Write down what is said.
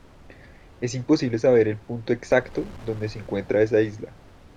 es imposible saber el punto exacto donde se encuentra esa isla.